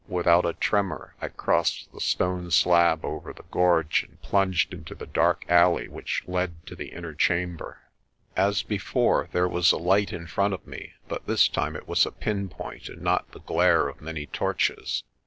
Without a tremor I crossed the stone slab over the gorge and plunged into the dark alley which led to the inner chamber. As before, there was a light in front of me but this time it was a pinpoint and not the glare of many torches.